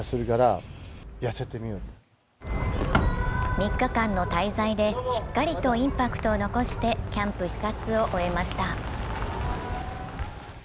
３日間の滞在でしっかりとインパクトを残して、キャンプ視察を終えました。